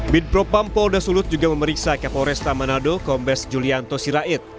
bid propam polda sulut juga memeriksa kapolresta manado kombes julianto sirait